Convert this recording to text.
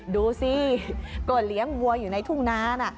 ดูสิก็เลี้ยงวัวอยู่ในทุ่งนานะ